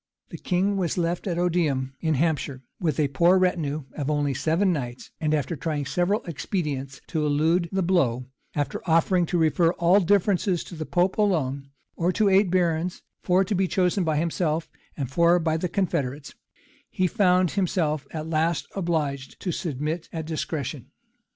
The king was left at Odiham, in Hampshire, with a poor retinue of only seven knights; and after trying several expedients to elude the blow, after offering to refer all differences to the pope alone, or to eight barons, four to be chosen by himself, and four by the confederates,[] he found himself at last obliged to submit at discretion.